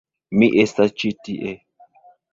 Mi estas ĉi tie